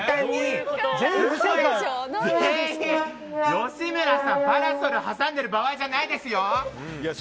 吉村さん、パラソルを挟んでいる場合じゃないですよ。